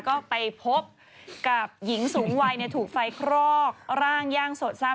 ก็ไปพบกับหญิงสูงวัยถูกไฟคลอกร่างย่างสดทราบ